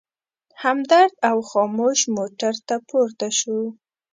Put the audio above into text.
همدرد او خاموش موټر ته پورته شوو.